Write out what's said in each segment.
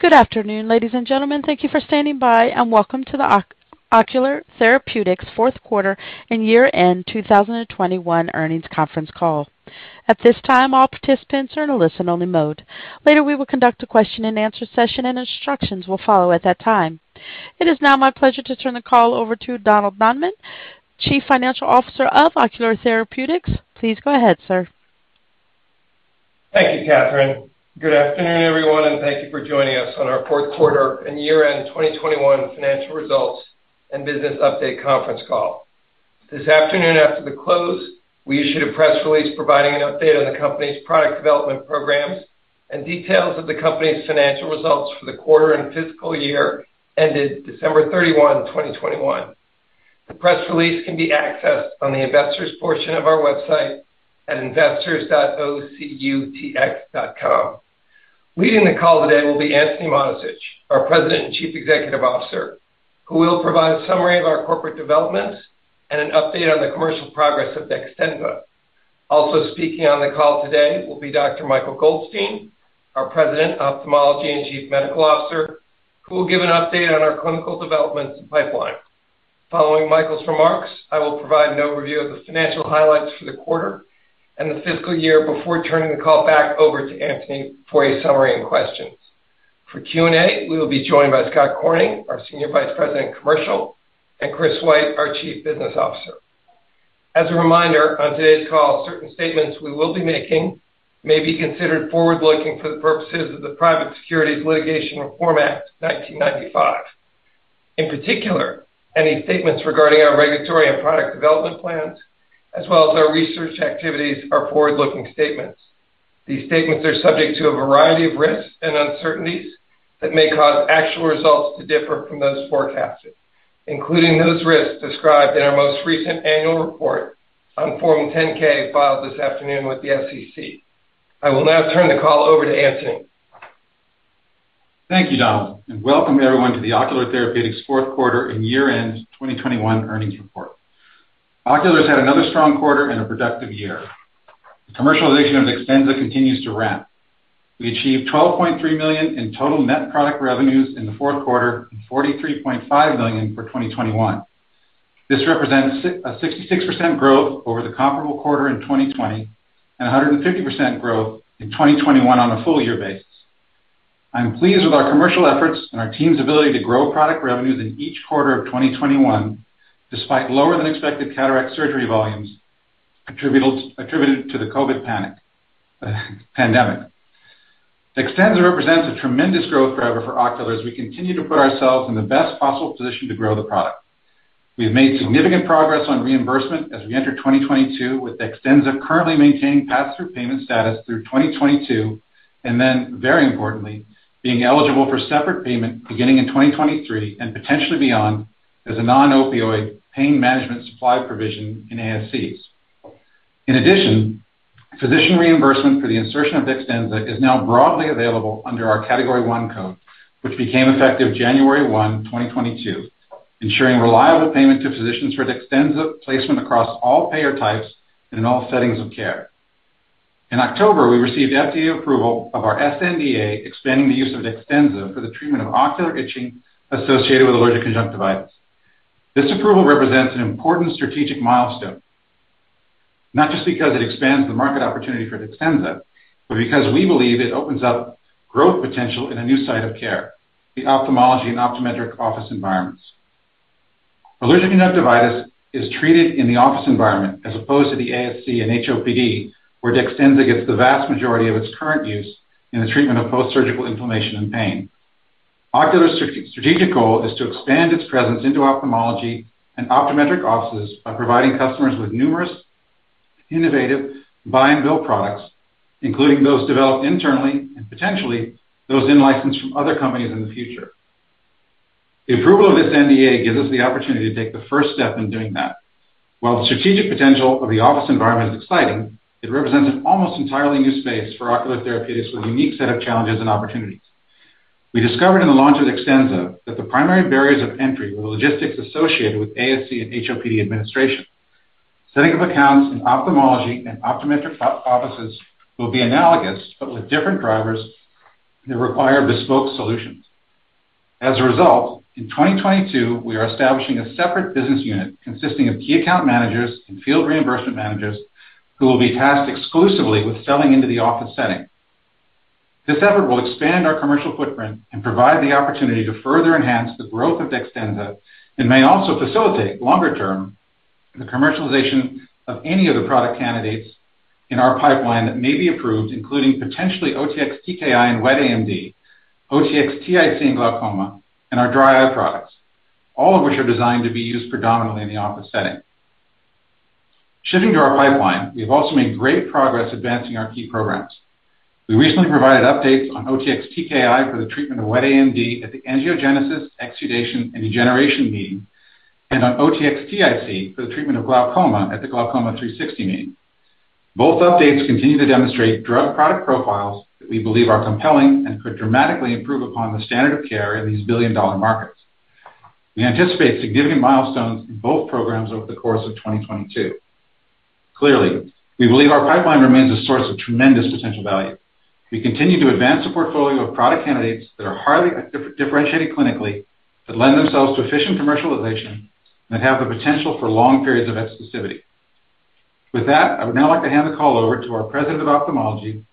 Good afternoon, ladies and gentlemen. Thank you for standing by, and welcome to the Ocular Therapeutix Q4 and Year-end 2021 Earnings Conference Call. At this time, all participants are in a listen-only mode. Later, we will conduct a question-and-answer session, and instructions will follow at that time. It is now my pleasure to turn the call over to Donald Notman, Chief Financial Officer of Ocular Therapeutix. Please go ahead, sir. Thank you, Catherine. Good afternoon, everyone, and thank you for joining us on our Q4 and Year-end 2021 Financial Results and Business Update Conference Call. This afternoon after the close, we issued a press release providing an update on the company's product development programs and details of the company's financial results for the quarter and fiscal year ended December 31, 2021. The press release can be accessed on the investors portion of our website at investors.ocutx.com. Leading the call today will be Antony Mattessich, our President and Chief Executive Officer, who will provide a summary of our corporate developments and an update on the commercial progress of DEXTENZA. Also speaking on the call today will be Dr. Michael Goldstein, our President, Ophthalmology, and Chief Medical Officer, who will give an update on our clinical development pipeline. Following Michael's remarks, I will provide an overview of the financial highlights for the quarter and the fiscal year before turning the call back over to Antony for a summary and questions. For Q&A, we will be joined by Scott Corning, our Senior Vice President, Commercial, and Chris White, our Chief Business Officer. As a reminder, on today's call, certain statements we will be making may be considered forward-looking for the purposes of the Private Securities Litigation Reform Act of 1995. In particular, any statements regarding our regulatory and product development plans as well as our research activities are forward-looking statements. These statements are subject to a variety of risks and uncertainties that may cause actual results to differ from those forecasted, including those risks described in our most recent annual report on Form 10-K filed this afternoon with the SEC. I will now turn the call over to Antony. Thank you, Donald, and welcome everyone to the Ocular Therapeutix Q4 and Year-end 2021 Earnings Report. Ocular's had another strong quarter and a productive year. The commercialization of DEXTENZA continues to ramp. We achieved $12.3 million in total net product revenues in the Q4 and $43.5 million for 2021. This represents a 66% growth over the comparable quarter in 2020 and a 150% growth in 2021 on a full year basis. I'm pleased with our commercial efforts and our team's ability to grow product revenues in each quarter of 2021, despite lower than expected cataract surgery volumes attributed to the COVID-19 pandemic. DEXTENZA represents a tremendous growth driver for Ocular as we continue to put ourselves in the best possible position to grow the product. We have made significant progress on reimbursement as we enter 2022, with DEXTENZA currently maintaining pass-through payment status through 2022, and then very importantly, being eligible for separate payment beginning in 2023 and potentially beyond as a non-opioid pain management supply provision in ASCs. In addition, physician reimbursement for the insertion of DEXTENZA is now broadly available under our Category I code, which became effective January 1, 2022, ensuring reliable payment to physicians for DEXTENZA placement across all payer types and in all settings of care. In October, we received FDA approval of our SNDA, expanding the use of DEXTENZA for the treatment of ocular itching associated with allergic conjunctivitis. This approval represents an important strategic milestone, not just because it expands the market opportunity for DEXTENZA, but because we believe it opens up growth potential in a new site of care, the ophthalmology and optometric office environments. Allergic conjunctivitis is treated in the office environment as opposed to the ASC and HOPD, where DEXTENZA gets the vast majority of its current use in the treatment of post-surgical inflammation and pain. Ocular Therapeutix's strategic goal is to expand its presence into ophthalmology and optometric offices by providing customers with numerous innovative buy and bill products, including those developed internally and potentially those in-licensed from other companies in the future. The approval of this NDA gives us the opportunity to take the first step in doing that. While the strategic potential of the office environment is exciting, it represents an almost entirely new space for Ocular Therapeutix with a unique set of challenges and opportunities. We discovered in the launch of DEXTENZA that the primary barriers of entry were the logistics associated with ASC and HOPD administration. Setting up accounts in ophthalmology and optometric offices will be analogous but with different drivers that require bespoke solutions. As a result, in 2022, we are establishing a separate business unit consisting of key account managers and field reimbursement managers who will be tasked exclusively with selling into the office setting. This effort will expand our commercial footprint and provide the opportunity to further enhance the growth of DEXTENZA and may also facilitate longer-term the commercialization of any of the product candidates in our pipeline that may be approved, including potentially OTX-TKI in wet AMD, OTX-TIC in glaucoma, and our dry eye products, all of which are designed to be used predominantly in the office setting. Shifting to our pipeline, we have also made great progress advancing our key programs. We recently provided updates on OTX-TKI for the treatment of wet AMD at the Angiogenesis, Exudation, and Degeneration meeting and on OTX-TIC for the treatment of glaucoma at the Glaucoma 360 meeting. Both updates continue to demonstrate drug product profiles that we believe are compelling and could dramatically improve upon the standard of care in these billion-dollar markets. We anticipate significant milestones in both programs over the course of 2022. Clearly, we believe our pipeline remains a source of tremendous potential value. We continue to advance a portfolio of product candidates that are highly differentiated clinically, that lend themselves to efficient commercialization, and have the potential for long periods of exclusivity. With that, I would now like to hand the call over to our President of Ophthalmology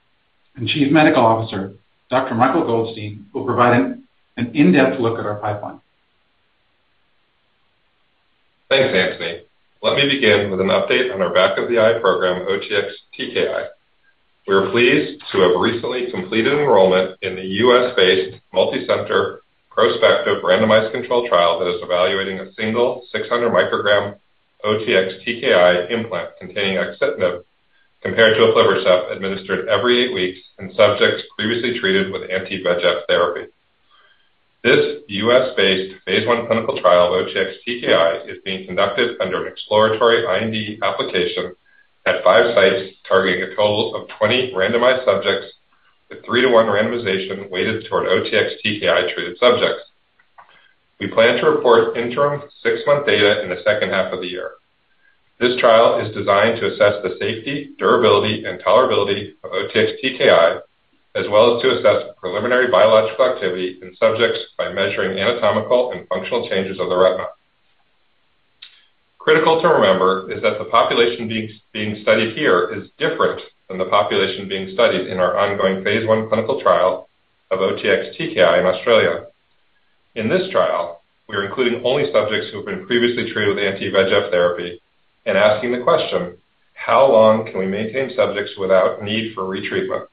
and Chief Medical Officer, Dr. Michael Goldstein, who will provide an in-depth look at our pipeline. Thanks, Antony. Let me begin with an update on our back of the eye program, OTX-TKI. We are pleased to have recently completed enrollment in the U.S.-based, multicenter, prospective randomized controlled trial that is evaluating a single 600 microgram OTX-TKI implant containing axitinib compared to aflibercept administered every eight weeks in subjects previously treated with anti-VEGF therapy. This U.S.-based phase I clinical trial of OTX-TKI is being conducted under an exploratory IND application at five sites targeting a total of 20 randomized subjects with 3-to-1 randomization weighted toward OTX-TKI treated subjects. We plan to report interim 6-month data in the H2 of the year. This trial is designed to assess the safety, durability, and tolerability of OTX-TKI, as well as to assess preliminary biological activity in subjects by measuring anatomical and functional changes of the retina. Critical to remember is that the population being studied here is different than the population being studied in our ongoing phase I clinical trial of OTX-TKI in Australia. In this trial, we are including only subjects who have been previously treated with anti-VEGF therapy and asking the question, how long can we maintain subjects without need for retreatment?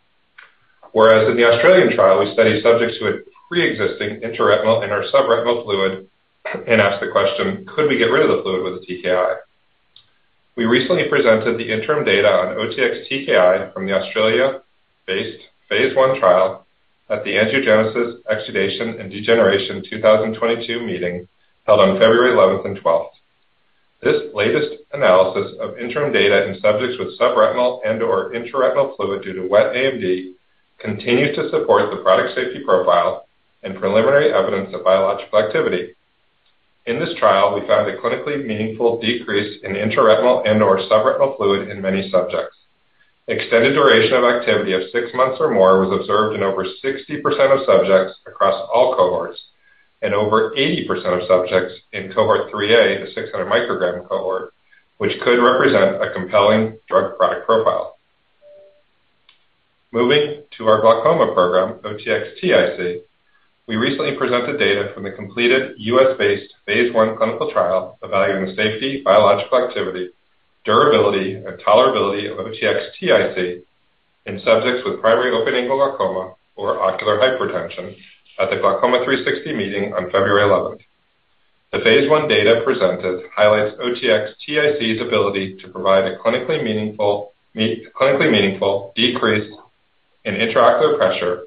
Whereas in the Australian trial, we studied subjects who had preexisting intraretinal and/or subretinal fluid and asked the question, could we get rid of the fluid with the TKI? We recently presented the interim data on OTX-TKI from the Australia-based phase I trial at the Angiogenesis, Exudation, and Degeneration 2022 meeting held on February 11th and 12th. This latest analysis of interim data in subjects with subretinal and/or intraretinal fluid due to wet AMD continued to support the product safety profile and preliminary evidence of biological activity. In this trial, we found a clinically meaningful decrease in intraretinal and/or subretinal fluid in many subjects. Extended duration of activity of 6 months or more was observed in over 60% of subjects across all cohorts, and over 80% of subjects in cohort 3A, the 600-microgram cohort, which could represent a compelling drug product profile. Moving to our glaucoma program, OTX-TIC. We recently presented data from the completed U.S.-based phase I clinical trial evaluating the safety, biological activity, durability, and tolerability of OTX-TIC in subjects with primary open-angle glaucoma or ocular hypertension at the Glaucoma 360 meeting on February 11th. The phase I data presented highlights OTX-TIC's ability to provide a clinically meaningful decrease in intraocular pressure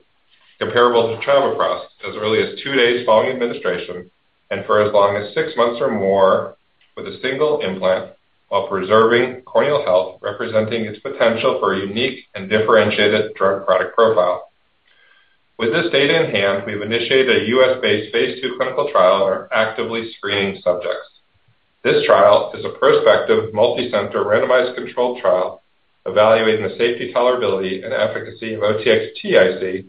comparable to travoprost as early as two days following administration and for as long as six months or more with a single implant while preserving corneal health, representing its potential for a unique and differentiated drug product profile. With this data in hand, we've initiated a U.S.-based phase II clinical trial and are actively screening subjects. This trial is a prospective multicenter randomized controlled trial evaluating the safety, tolerability, and efficacy of OTX-TIC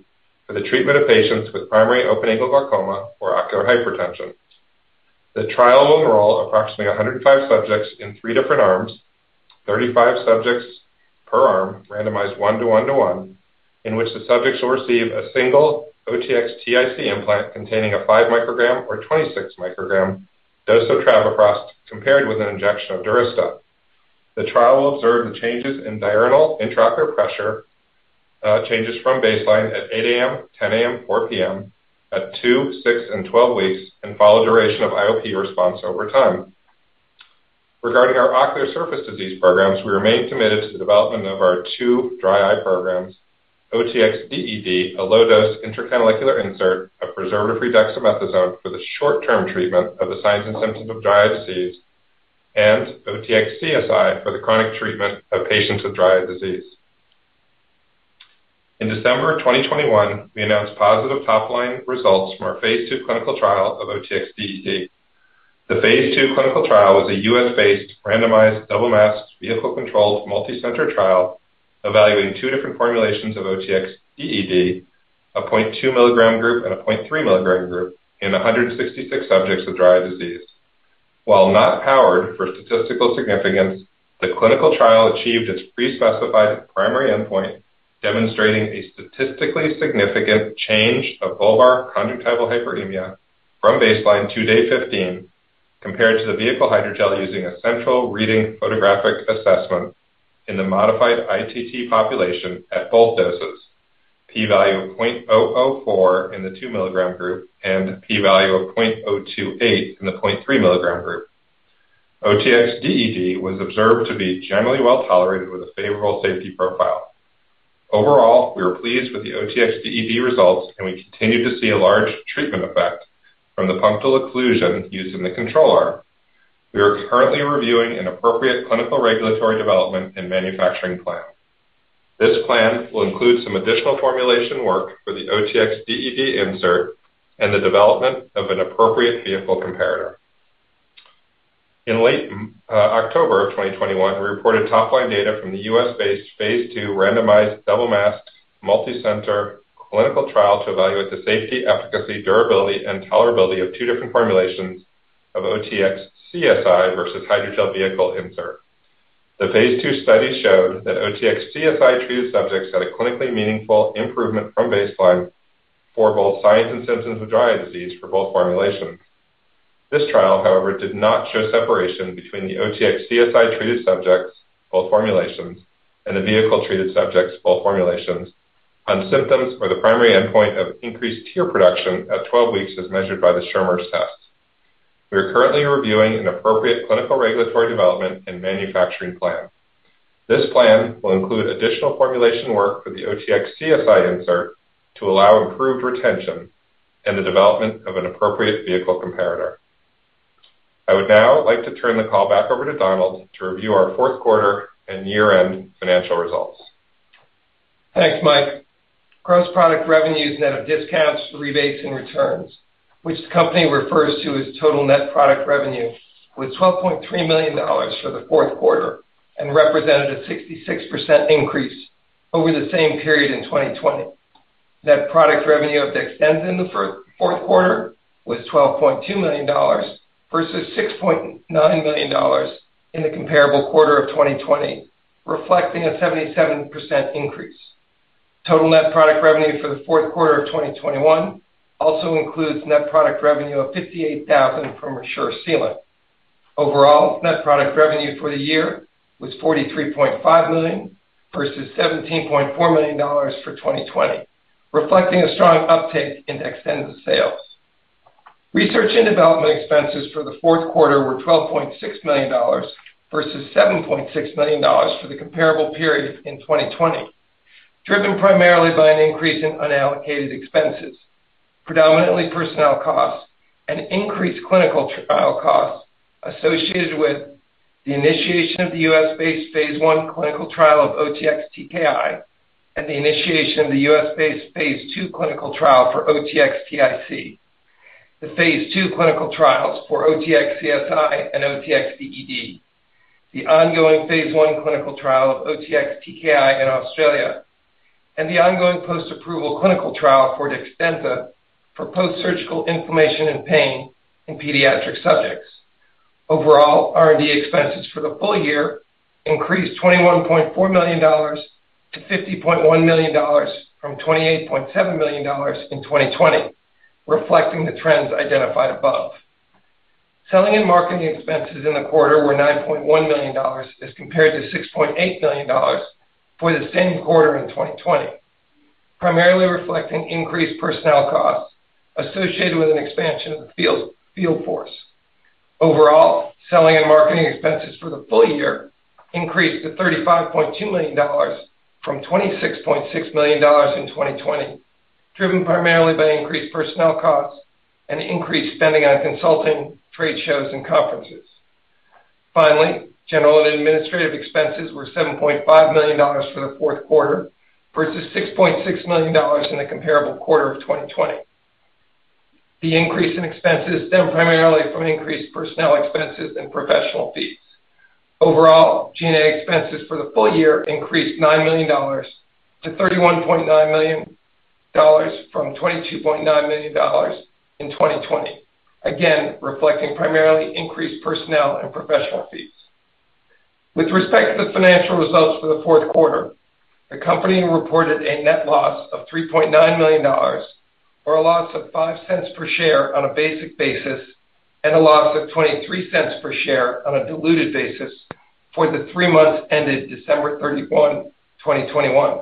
for the treatment of patients with primary open-angle glaucoma or ocular hypertension. The trial will enroll approximately 105 subjects in three different arms, 35 subjects per arm randomized 1:1, in which the subjects will receive a single OTX-TIC implant containing a 5-microgram or 26-microgram dose of travoprost compared with an injection of DURYSTA. The trial will observe the changes in diurnal intraocular pressure, changes from baseline at 8:00 A.M., 10:00 A.M., 4:00 P.M. at 2, 6, and 12 weeks, and follow duration of IOP response over time. Regarding our ocular surface disease programs, we remain committed to the development of our two dry eye programs, OTX-DED, a low-dose intracanalicular insert of preservative-free dexamethasone for the short-term treatment of the signs and symptoms of dry eye disease, and OTX-CSI for the chronic treatment of patients with dry eye disease. In December of 2021, we announced positive top-line results from our phase II clinical trial of OTX-DED. The phase II clinical trial was a U.S.-based randomized double-masked vehicle-controlled multicenter trial evaluating two different formulations of OTX-DED, a 0.2 mg group and a 0.3 mg group in 166 subjects with dry eye disease. While not powered for statistical significance, the clinical trial achieved its pre-specified primary endpoint, demonstrating a statistically significant change of bulbar conjunctival hyperemia from baseline to day 15 compared to the vehicle hydrogel using a central reading photographic assessment in the modified ITT population at both doses. P-value of 0.004 in the 0.2 mg group and P-value of 0.028 in the 0.3 mg group. OTX-DED was observed to be generally well-tolerated with a favorable safety profile. Overall, we are pleased with the OTX-DED results, and we continue to see a large treatment effect from the punctal occlusion used in the control arm. We are currently reviewing an appropriate clinical regulatory development and manufacturing plan. This plan will include some additional formulation work for the OTX-DED insert and the development of an appropriate vehicle comparator. In late October of 2021, we reported top line data from the U.S.-based phase II randomized double masked multicenter clinical trial to evaluate the safety, efficacy, durability, and tolerability of two different formulations of OTX-CSI versus hydrogel vehicle insert. The phase II study showed that OTX-CSI treated subjects had a clinically meaningful improvement from baseline for both signs and symptoms of dry eye disease for both formulations. This trial, however, did not show separation between the OTX-CSI treated subjects, both formulations, and the vehicle treated subjects, both formulations on symptoms or the primary endpoint of increased tear production at 12 weeks as measured by the Schirmer's test. We are currently reviewing an appropriate clinical regulatory development and manufacturing plan. This plan will include additional formulation work for the OTX-CSI insert to allow improved retention and the development of an appropriate vehicle comparator. I would now like to turn the call back over to Donald to review our Q4 and year-end financial results. Thanks, Mike. Gross product revenues net of discounts, rebates, and returns, which the company refers to as total net product revenue, was $12.3 million for the Q4 and represented a 66% increase over the same period in 2020. Net product revenue of DEXTENZA in the Q4 was $12.2 million versus $6.9 million in the comparable quarter of 2020, reflecting a 77% increase. Total net product revenue for the Q4 of 2021 also includes net product revenue of $58,000 from ReSure Sealant. Overall, net product revenue for the year was $43.5 million versus $17.4 million for 2020, reflecting a strong uptake in DEXTENZA sales. Research and development expenses for the Q4 were $12.6 million versus $7.6 million for the comparable period in 2020, driven primarily by an increase in unallocated expenses, predominantly personnel costs and increased clinical trial costs associated with the initiation of the U.S.-based phase I clinical trial of OTX-TKI and the initiation of the U.S.-based phase II clinical trial for OTX-TIC, the phase II clinical trials for OTX-CSI and OTX-DED, the ongoing phase I clinical trial of OTX-TKI in Australia, and the ongoing post-approval clinical trial for DEXTENZA for post-surgical inflammation and pain in pediatric subjects. Overall, R&D expenses for the full year increased $21.4 million to $50.1 million from $28.7 million in 2020, reflecting the trends identified above. Selling and marketing expenses in the quarter were $9.1 million as compared to $6.8 million for the same quarter in 2020, primarily reflecting increased personnel costs associated with an expansion of the field force. Overall, selling and marketing expenses for the full year increased to $35.2 million from $26.6 million in 2020, driven primarily by increased personnel costs and increased spending on consulting, trade shows, and conferences. Finally, general and administrative expenses were $7.5 million for the Q4 versus $6.6 million in the comparable quarter of 2020. The increase in expenses stemmed primarily from increased personnel expenses and professional fees. Overall, G&A expenses for the full year increased $9 million to $31.9 million from $22.9 million in 2020, again reflecting primarily increased personnel and professional fees. With respect to the financial results for the Q4, the company reported a net loss of $3.9 million, or a loss of $0.05 per share on a basic basis, and a loss of $0.23 per share on a diluted basis for the three months ended December 31, 2021,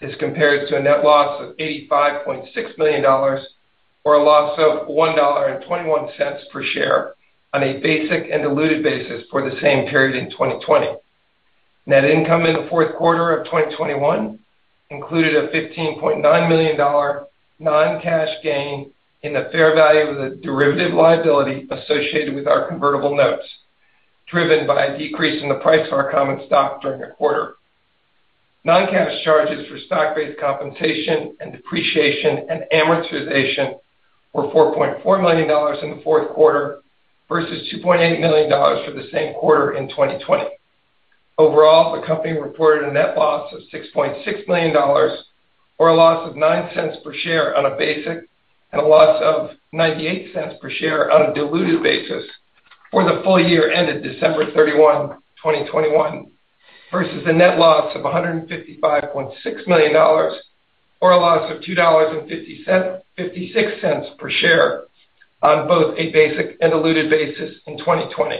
as compared to a net loss of $85.6 million or a loss of $1.21 per share on a basic and diluted basis for the same period in 2020. Net income in the Q4 of 2021 included a $15.9 million non-cash gain in the fair value of the derivative liability associated with our convertible notes, driven by a decrease in the price of our common stock during the quarter. Non-cash charges for stock-based compensation and depreciation and amortization were $4.4 million in the Q4 versus $2.8 million for the same quarter in 2020. Overall, the company reported a net loss of $6.6 million or a loss of $0.09 per share on a basic and a loss of $0.98 per share on a diluted basis for the full year ended December 31, 2021 versus a net loss of $155.6 million or a loss of $2.56 per share on both a basic and diluted basis in 2020.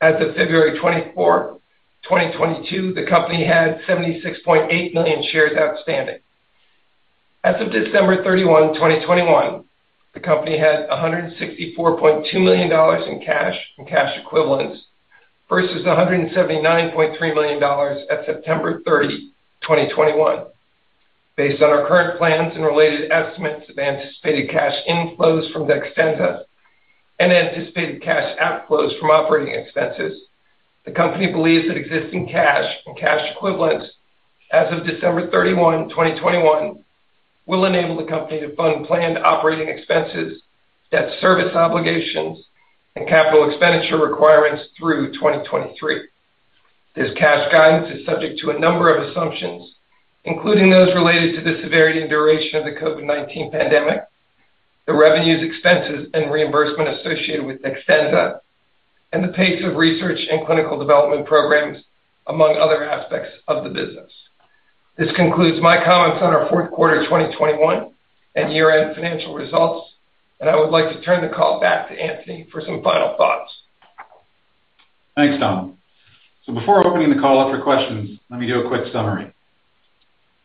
As of February 24, 2022, the company had 76.8 million shares outstanding. As of December 31, 2021, the company had $164.2 million in cash and cash equivalents versus $179.3 million at September 30, 2021. Based on our current plans and related estimates of anticipated cash inflows from DEXTENZA and anticipated cash outflows from operating expenses, the company believes that existing cash and cash equivalents as of December 31, 2021 will enable the company to fund planned operating expenses, debt service obligations, and capital expenditure requirements through 2023. This cash guidance is subject to a number of assumptions, including those related to the severity and duration of the COVID-19 pandemic, the revenues, expenses, and reimbursement associated with DEXTENZA, and the pace of research and clinical development programs, among other aspects of the business. This concludes my comments on our Q4 2021 and year-end financial results, and I would like to turn the call back to Antony for some final thoughts. Thanks, Don. Before opening the call up for questions, let me give a quick summary.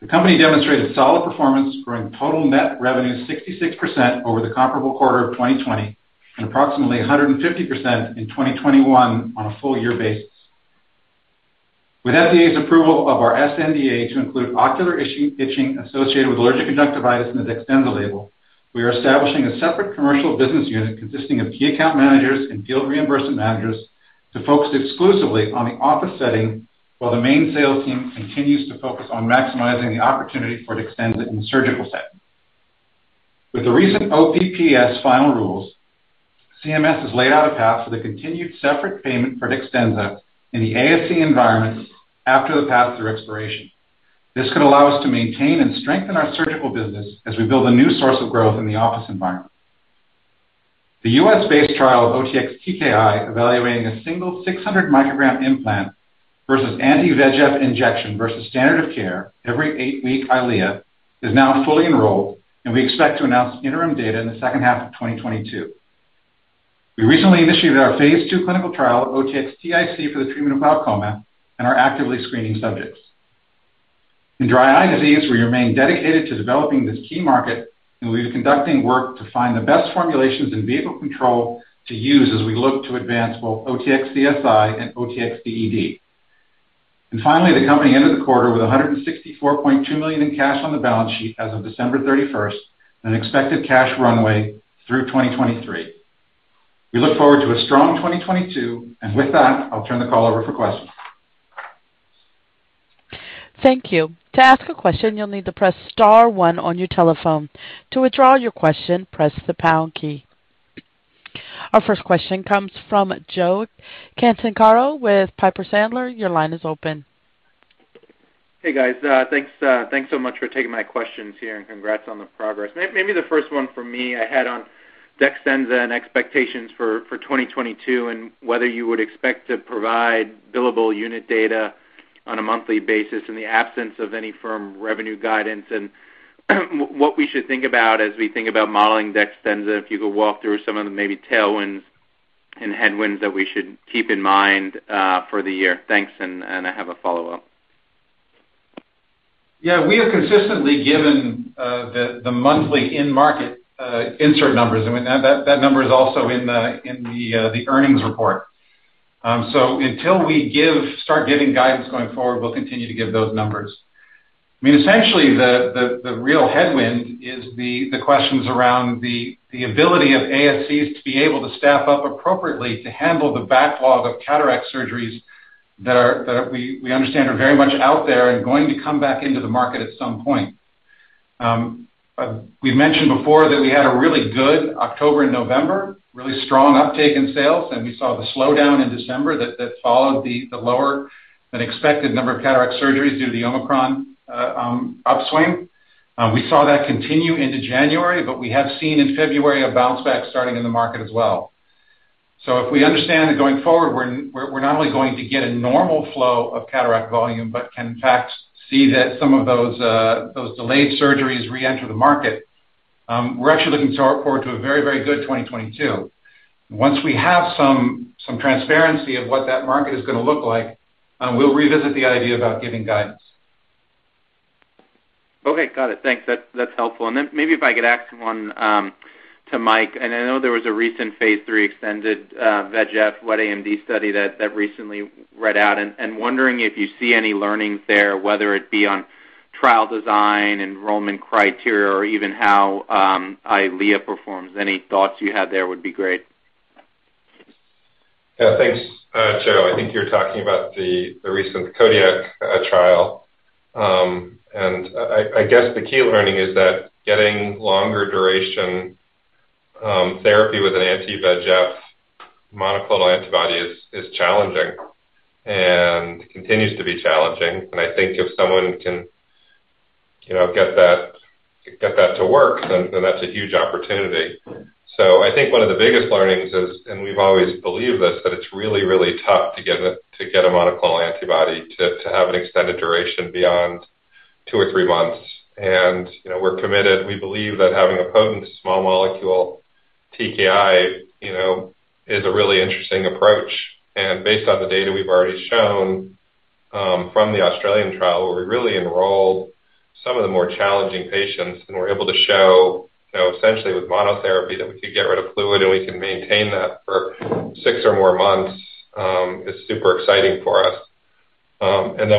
The company demonstrated solid performance, growing total net revenue 66% over the comparable quarter of 2020 and approximately 150% in 2021 on a full year basis. With FDA's approval of our SNDA to include ocular itching associated with allergic conjunctivitis in the DEXTENZA label, we are establishing a separate commercial business unit consisting of key account managers and field reimbursement managers to focus exclusively on the office setting while the main sales team continues to focus on maximizing the opportunity for DEXTENZA in the surgical setting. With the recent OPPS final rules, CMS has laid out a path for the continued separate payment for DEXTENZA in the ASC environment after the path through expiration. This could allow us to maintain and strengthen our surgical business as we build a new source of growth in the office environment. The U.S.-based trial of OTX-TKI, evaluating a single 600-microgram implant versus anti-VEGF injection versus standard of care every 8-week EYLEA, is now fully enrolled, and we expect to announce interim data in the H2 of 2022. We recently initiated our phase II clinical trial, OTX-TIC, for the treatment of glaucoma and are actively screening subjects. In dry eye disease, we remain dedicated to developing this key market, and we are conducting work to find the best formulations and vehicle control to use as we look to advance both OTX-CSI and OTX-DED. Finally, the company ended the quarter with $164.2 million in cash on the balance sheet as of December 31st and expected cash runway through 2023. We look forward to a strong 2022. With that, I'll turn the call over for questions. Thank you. To ask a question, you'll need to press star one on your telephone. To withdraw your question, press the pound key. Our first question comes from Joe Catanzaro with Piper Sandler. Your line is open. Hey, guys. Thanks so much for taking my questions here, and congrats on the progress. Maybe the first one for me I had on DEXTENZA and expectations for 2022 and whether you would expect to provide billable unit data on a monthly basis in the absence of any firm revenue guidance and what we should think about as we think about modeling DEXTENZA. If you could walk through some of the maybe tailwinds and headwinds that we should keep in mind for the year. Thanks. I have a follow-up. Yeah. We have consistently given the monthly in-market insert numbers. I mean, that number is also in the earnings report. So until we start giving guidance going forward, we'll continue to give those numbers. I mean, essentially, the real headwind is the questions around the ability of ASCs to be able to staff up appropriately to handle the backlog of cataract surgeries that we understand are very much out there and going to come back into the market at some point. We mentioned before that we had a really good October and November, really strong uptake in sales, and we saw the slowdown in December that followed the lower than expected number of cataract surgeries due to the Omicron upswing. We saw that continue into January, but we have seen in February a bounce back starting in the market as well. If we understand that going forward, we're not only going to get a normal flow of cataract volume, but can in fact see that some of those delayed surgeries reenter the market. We're actually looking forward to a very good 2022. Once we have some transparency of what that market is gonna look like, we'll revisit the idea about giving guidance. Okay. Got it. Thanks. That's helpful. Maybe if I could ask one to Mike. I know there was a recent phase III extended VEGF wet AMD study that recently read out and wondering if you see any learnings there, whether it be on trial design, enrollment criteria, or even how EYLEA performs. Any thoughts you have there would be great. Yeah. Thanks, Joe. I think you're talking about the recent Kodiak trial. I guess the key learning is that getting longer duration therapy with an anti-VEGF monoclonal antibody is challenging and continues to be challenging. I think if someone can get that to work, then that's a huge opportunity. I think one of the biggest learnings is, and we've always believed this, that it's really tough to get a monoclonal antibody to have an extended duration beyond two or three months. You know, we're committed. We believe that having a potent small molecule TKI is a really interesting approach. Based on the data we've already shown from the Australian trial where we really enrolled some of the more challenging patients and were able to show, you know, essentially with monotherapy that we could get rid of fluid and we can maintain that for six or more months. It's super exciting for us.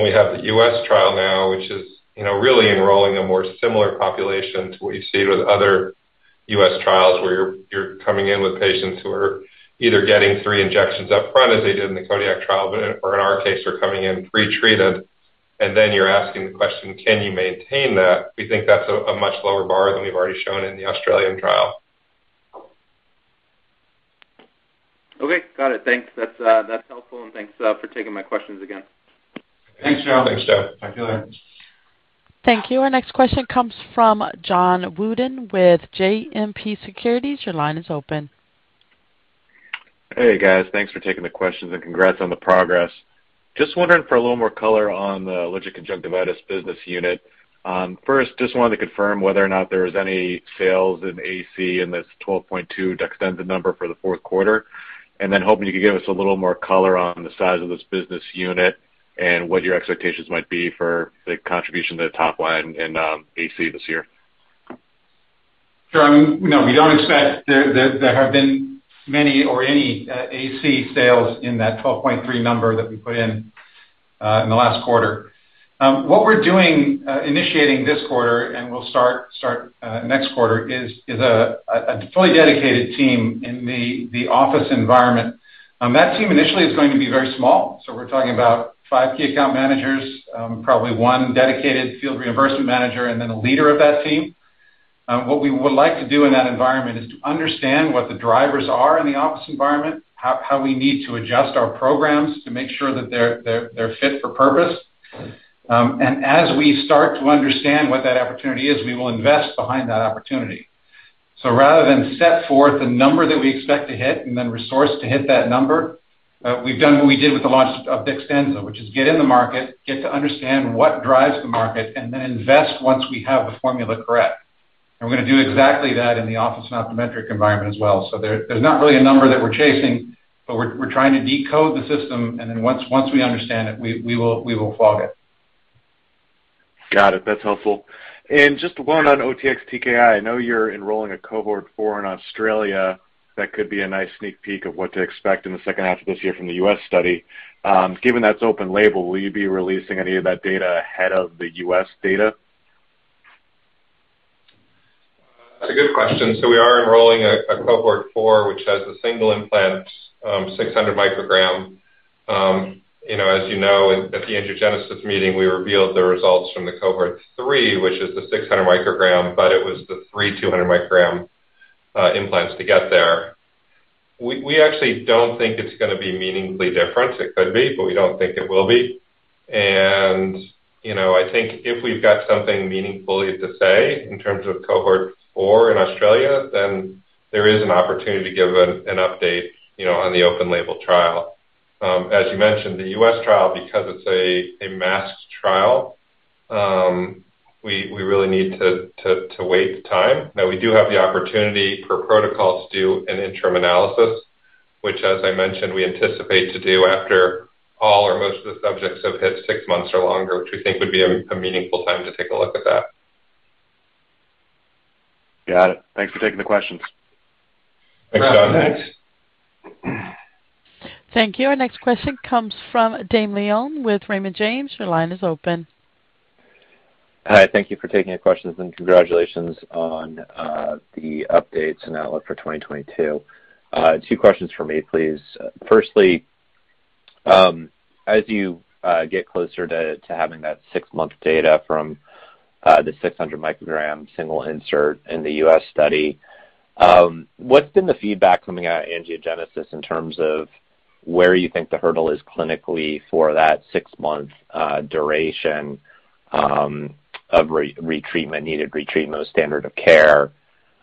We have the U.S. trial now, which is, you know, really enrolling a more similar population to what you see with other U.S. trials, where you're coming in with patients who are either getting three injections up front as they did in the Kodiak trial, or in our case, they're coming in pre-treated, and then you're asking the question, can you maintain that? We think that's a much lower bar than we've already shown in the Australian trial. Okay. Got it. Thanks. That's helpful. Thanks for taking my questions again. Thanks, Joe. Thanks, Joe. Talk to you later. Thank you. Our next question comes from Jonathan Wolleben with JMP Securities. Your line is open. Hey, guys. Thanks for taking the questions and congrats on the progress. Just wondering for a little more color on the allergic conjunctivitis business unit. First, just wanted to confirm whether or not there's any sales in AC in this $12.2 DEXTENZA number for the Q4, and then hoping you could give us a little more color on the size of this business unit and what your expectations might be for the contribution to the top line in AC this year. John, no, we don't expect there have been many or any ASC sales in that $12.3 number that we put in in the last quarter. What we're doing initiating this quarter, and we'll start next quarter, is a fully dedicated team in the office environment. That team initially is going to be very small. So we're talking about five key account managers, probably one dedicated field reimbursement manager, and then a leader of that team. What we would like to do in that environment is to understand what the drivers are in the office environment, how we need to adjust our programs to make sure that they're fit for purpose. As we start to understand what that opportunity is, we will invest behind that opportunity. Rather than set forth a number that we expect to hit and then resource to hit that number, we've done what we did with the launch of DEXTENZA, which is get in the market, get to understand what drives the market, and then invest once we have the formula correct. We're gonna do exactly that in the office and optometric environment as well. There's not really a number that we're chasing, but we're trying to decode the system, and then once we understand it, we will fund it. Got it. That's helpful. Just one on OTX-TKI. I know you're enrolling a cohort 4 in Australia. That could be a nice sneak peek of what to expect in the H2 of this year from the U.S. study. Given that's open label, will you be releasing any of that data ahead of the U.S. data? That's a good question. We are enrolling a cohort 4, which has the single implant, 600 microgram. You know, as you know, at the Angiogenesis meeting, we revealed the results from the cohort 3, which is the 600 microgram, but it was the 3/200-microgram implants to get there. We actually don't think it's gonna be meaningfully different. It could be, but we don't think it will be. You know, I think if we've got something meaningfully to say in terms of cohort 4 in Australia, then there is an opportunity to give an update, you know, on the open-label trial. As you mentioned, the U.S. trial, because it's a masked trial, we really need to wait the time. Now we do have the opportunity for protocol to do an interim analysis, which, as I mentioned, we anticipate to do after all or most of the subjects have hit six months or longer, which we think would be a meaningful time to take a look at that. Got it. Thanks for taking the questions. Thanks, John. Thanks. Thank you. Our next question comes from Dane Leone with Raymond James. Your line is open. Hi. Thank you for taking the questions, and congratulations on the updates and outlook for 2022. Two questions for me, please. Firstly, as you get closer to having that six-month data from the 600 microgram single insert in the U.S. study, what's been the feedback coming out of Angiogenesis in terms of where you think the hurdle is clinically for that six-month duration of retreatment needed retreatment standard of care?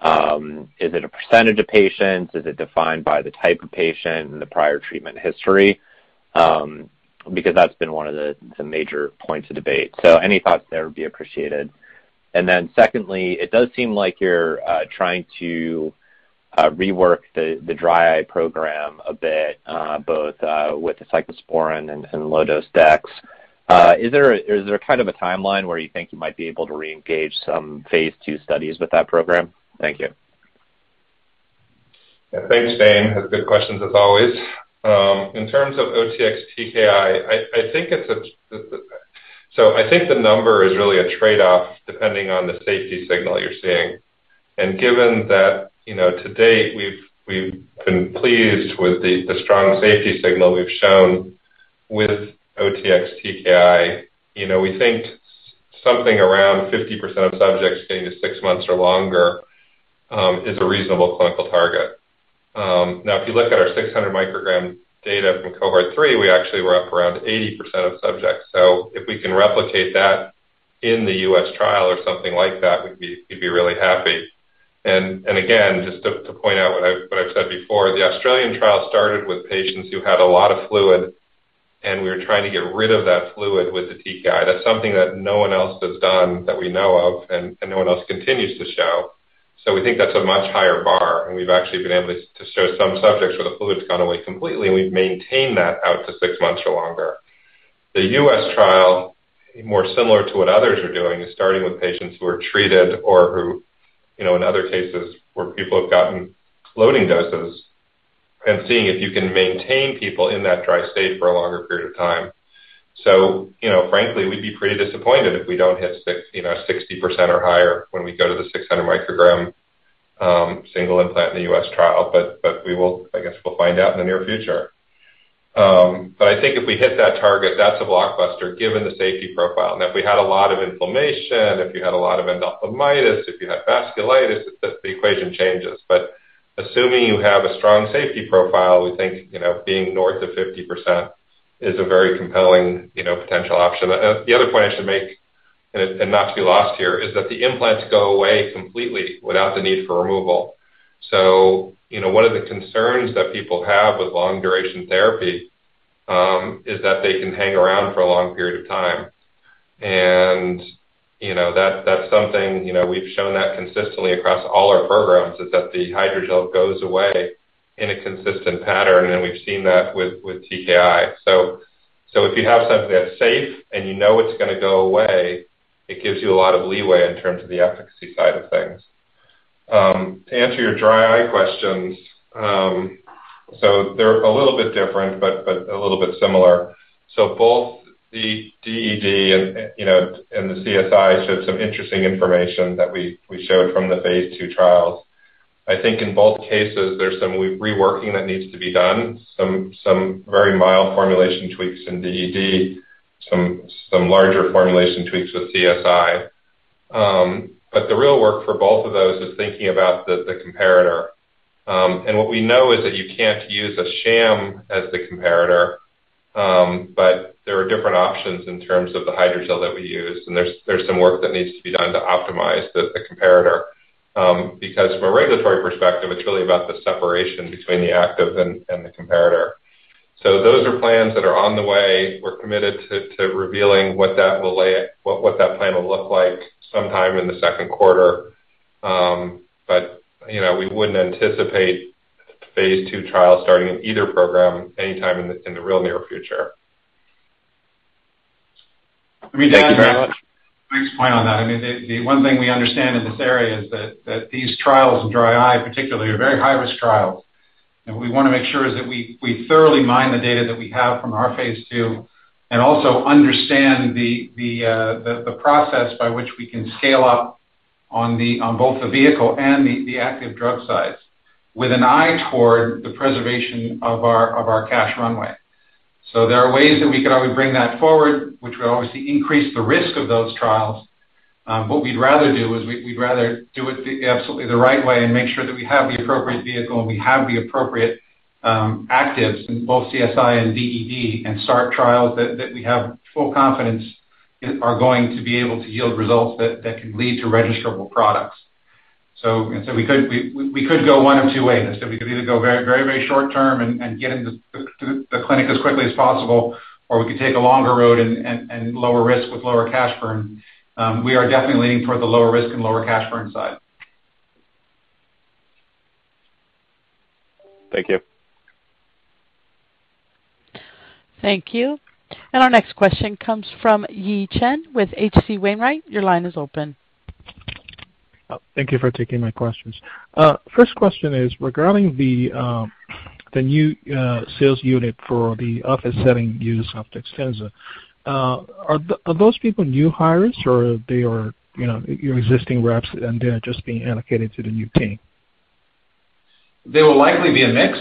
Is it a percentage of patients? Is it defined by the type of patient and the prior treatment history? Because that's been one of the major points of debate. So any thoughts there would be appreciated. Secondly, it does seem like you're trying to rework the dry eye program a bit, both with the cyclosporine and low-dose DEX. Is there kind of a timeline where you think you might be able to reengage some phase II studies with that program? Thank you. Yeah. Thanks, Dane. That's a good question as always. In terms of OTX-TKI, I think the number is really a trade-off depending on the safety signal you're seeing. Given that, you know, to date, we've been pleased with the strong safety signal we've shown with OTX-TKI. You know, we think something around 50% of subjects getting to six months or longer is a reasonable clinical target. Now if you look at our 600 microgram data from cohort three, we actually were up around 80% of subjects. If we can replicate that in the U.S. trial or something like that, we'd be really happy. Again, just to point out what I've said before, the Australian trial started with patients who had a lot of fluid, and we were trying to get rid of that fluid with the TKI. That's something that no one else has done that we know of and no one else continues to show. We think that's a much higher bar, and we've actually been able to show some subjects where the fluid's gone away completely, and we've maintained that out to six months or longer. The US trial, more similar to what others are doing, is starting with patients who are treated or who, you know, in other cases, where people have gotten loading doses and seeing if you can maintain people in that dry state for a longer period of time. Frankly, we'd be pretty disappointed if we don't hit 60% or higher when we go to the 600-microgram single implant in the U.S. trial. We will find out in the near future. I guess we'll find out in the near future. I think if we hit that target, that's a blockbuster, given the safety profile. If we had a lot of inflammation, if you had a lot of endophthalmitis, if you had vasculitis, the equation changes. Assuming you have a strong safety profile, we think being north of 50% is a very compelling potential option. The other point I should make, not to be lost here, is that the implants go away completely without the need for removal. You know, one of the concerns that people have with long duration therapy is that they can hang around for a long period of time. You know, that's something we've shown that consistently across all our programs is that the hydrogel goes away in a consistent pattern, and we've seen that with TKI. If you have something that's safe and you know it's gonna go away, it gives you a lot of leeway in terms of the efficacy side of things. To answer your dry eye questions, they're a little bit different but a little bit similar. Both the DED and the CSI showed some interesting information that we showed from the phase II trials. I think in both cases there's some reworking that needs to be done, some very mild formulation tweaks in DED, some larger formulation tweaks with CSI. The real work for both of those is thinking about the comparator. What we know is that you can't use a sham as the comparator, but there are different options in terms of the hydrogel that we use. There's some work that needs to be done to optimize the comparator. From a regulatory perspective, it's really about the separation between the active and the comparator. Those are plans that are on the way. We're committed to revealing what that plan will look like sometime in the Q2. You know, we wouldn't anticipate phase II trials starting in either program anytime in the real near future. Let me add- Thank you very much. Mike's point on that. I mean, the one thing we understand in this area is that these trials in dry eye particularly are very high-risk trials. We wanna make sure is that we thoroughly mine the data that we have from our phase II and also understand the process by which we can scale up on both the vehicle and the active drug size, with an eye toward the preservation of our cash runway. There are ways that we could always bring that forward, which will obviously increase the risk of those trials. What we'd rather do is do it absolutely the right way and make sure that we have the appropriate vehicle, and we have the appropriate actives in both CSI and DED, and start trials that we have full confidence in are going to be able to yield results that can lead to registerable products. We could go one of two ways. We could either go very short term and get into the clinic as quickly as possible, or we could take a longer road and lower risk with lower cash burn. We are definitely leaning toward the lower risk and lower cash burn side. Thank you. Thank you. Our next question comes from Yi Chen with H.C. Wainwright. Your line is open. Thank you for taking my questions. First question is regarding the new sales unit for the office setting use of DEXTENZA. Are those people new hires, or they are, you know, your existing reps and they're just being allocated to the new team? They will likely be a mix.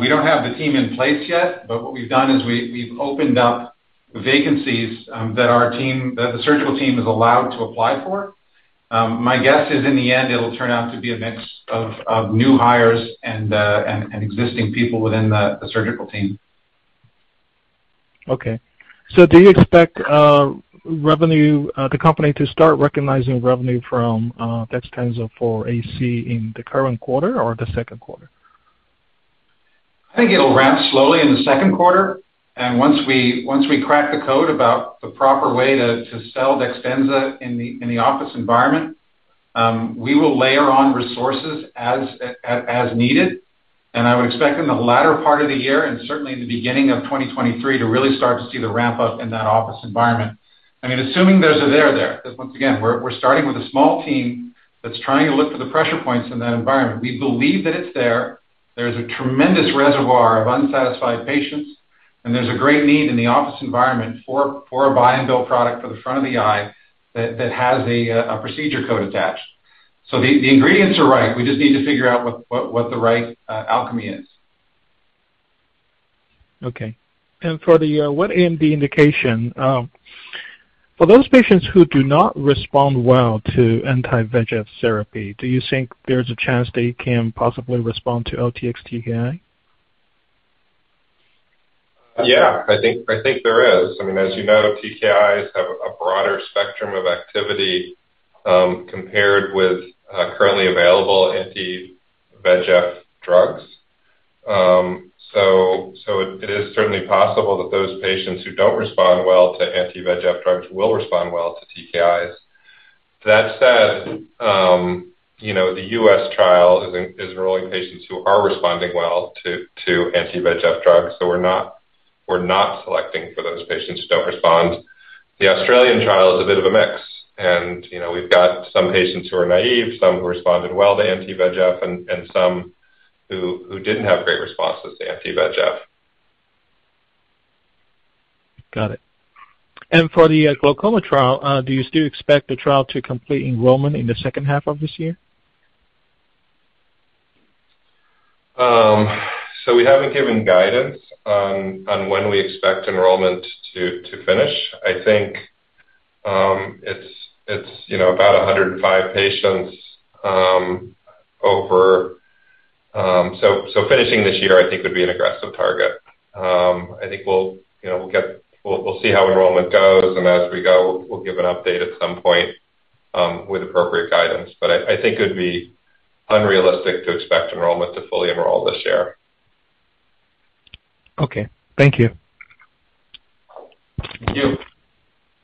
We don't have the team in place yet, but what we've done is we've opened up vacancies that the surgical team is allowed to apply for. My guess is in the end it'll turn out to be a mix of new hires and existing people within the surgical team. Okay. Do you expect the company to start recognizing revenue from DEXTENZA for AC in the current quarter or the Q2? I think it'll ramp slowly in the Q2. Once we crack the code about the proper way to sell DEXTENZA in the office environment, we will layer on resources as needed. I would expect in the latter part of the year, and certainly in the beginning of 2023, to really start to see the ramp-up in that office environment. I mean, assuming there's a there there, 'cause once again, we're starting with a small team that's trying to look for the pressure points in that environment. We believe that it's there. There's a tremendous reservoir of unsatisfied patients, and there's a great need in the office environment for a buy and bill product for the front of the eye that has a procedure code attached. The ingredients are right. We just need to figure out what the right alchemy is. Okay. For the wet AMD indication, for those patients who do not respond well to anti-VEGF therapy, do you think there's a chance they can possibly respond to OTX-TKI? Yeah. I think there is. I mean, as you know, TKIs have a broader spectrum of activity compared with currently available anti-VEGF drugs. So it is certainly possible that those patients who don't respond well to anti-VEGF drugs will respond well to TKIs. That said, you know, the U.S. trial is enrolling patients who are responding well to anti-VEGF drugs. So we're not selecting for those patients who don't respond. The Australian trial is a bit of a mix and, you know, we've got some patients who are naive, some who responded well to anti-VEGF and some who didn't have great responses to anti-VEGF. Got it. For the glaucoma trial, do you still expect the trial to complete enrollment in the H2 of this year? We haven't given guidance on when we expect enrollment to finish. I think it's you know about 105 patients. Finishing this year, I think, would be an aggressive target. I think we'll you know see how enrollment goes, and as we go, we'll give an update at some point with appropriate guidance. I think it would be unrealistic to expect enrollment to fully enroll this year. Okay. Thank you. Thank you.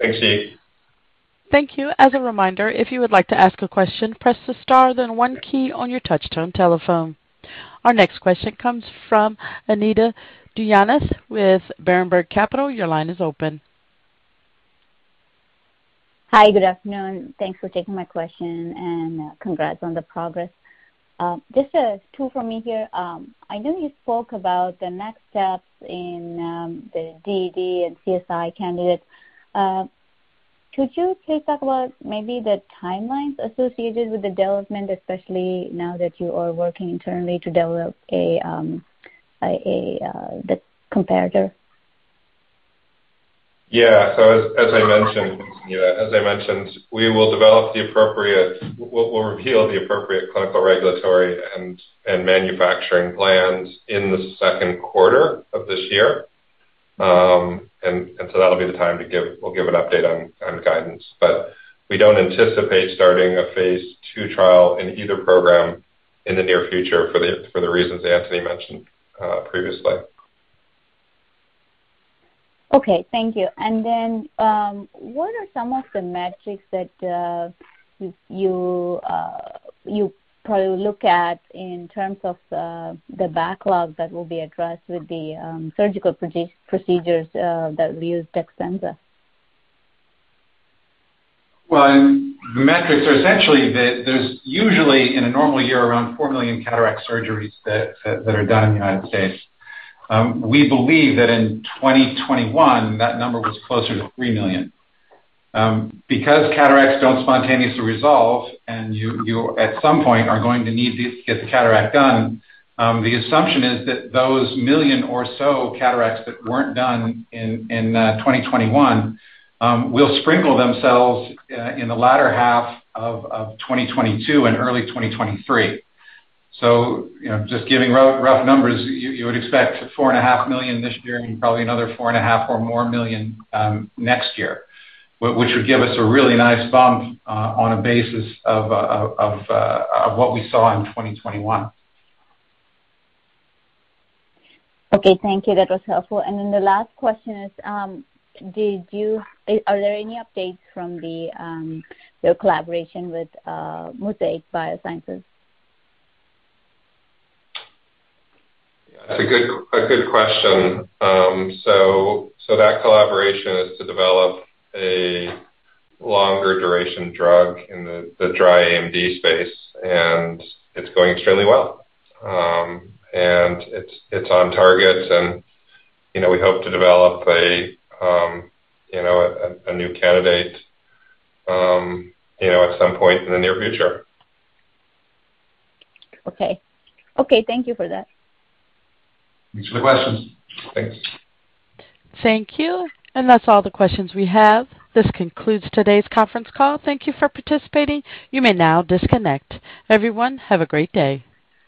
Thanks, Chen. Thank you. As a reminder, if you would like to ask a question, press the star then one key on your touchtone telephone. Our next question comes from Anita Dushyanth with Berenberg Capital. Your line is open. Hi. Good afternoon. Thanks for taking my question, and congrats on the progress. Just two for me here. I know you spoke about the next steps in the DED and CSI candidates. Could you please talk about maybe the timelines associated with the development, especially now that you are working internally to develop a comparator? As I mentioned, Anita, we'll reveal the appropriate clinical regulatory and manufacturing plans in the Q2 of this year. That'll be the time to give an update on guidance. We don't anticipate starting a phase II trial in either program in the near future for the reasons Antony mentioned previously. Okay. Thank you. What are some of the metrics that you probably look at in terms of the backlog that will be addressed with the surgical procedures that use DEXTENZA? Well, the metrics are essentially that there's usually in a normal year, around 4 million cataract surgeries that are done in the United States. We believe that in 2021, that number was closer to 3 million. Because cataracts don't spontaneously resolve and you at some point are going to need these to get the cataract done, the assumption is that those 1 million or so cataracts that weren't done in 2021 will sprinkle themselves in the latter half of 2022 and early 2023. You know, just giving rough numbers, you would expect $4.5 million this year and probably another $4.5 million or more next year, which would give us a really nice bump on a basis of what we saw in 2021. Okay. Thank you. That was helpful. The last question is, are there any updates from the, your collaboration with, Mosaic Biosciences? That's a good question. So that collaboration is to develop a longer duration drug in the dry AMD space, and it's going extremely well. It's on target and, you know, we hope to develop a you know a new candidate you know at some point in the near future. Okay. Okay. Thank you for that. Thanks for the questions. Thanks. Thank you. That's all the questions we have. This concludes today's conference call. Thank you for participating. You may now disconnect. Everyone, have a great day.